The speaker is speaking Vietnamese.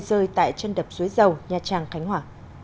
rơi tại chân đập dưới dầu nhà trang khánh hỏa